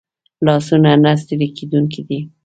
لاسونه نه ستړي کېدونکي دي